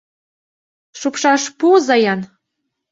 Шупшаш пуыза-ян...